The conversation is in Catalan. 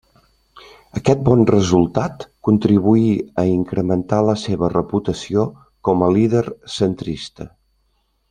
Aquest bon resultat contribuí a incrementar la seva reputació com a líder centrista.